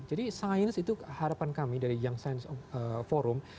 jadi sains itu harapan kami dari young scientist forum